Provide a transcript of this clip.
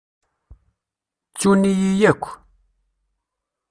Ttun-iyi akk.